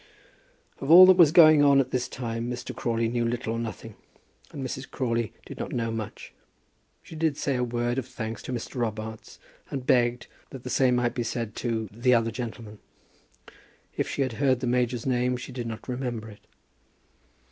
Of all that was going on at this time Mr. Crawley knew little or nothing, and Mrs. Crawley did not know much. She did say a word of thanks to Mr. Robarts, and begged that the same might be said to the other gentleman. If she had heard the major's name she did not remember it.